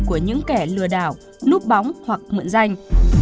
của những kẻ lừa đảo núp bóng hoặc mượn danh